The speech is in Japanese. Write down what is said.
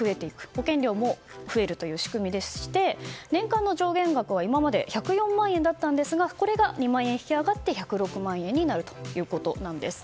保険料も増えるという仕組みでして年間の上限額が今まで１０４万円だったのがこれが２万円引き上がって１０６万円になるということです。